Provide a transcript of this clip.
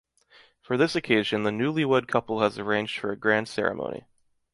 For this occasion, the newlywed couple has arranged for a grand ceremony.